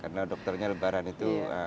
karena dokternya lebaran itu